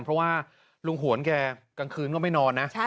เพราะว่าลุงหวนแกกลางคืนก็ไม่นอนนะ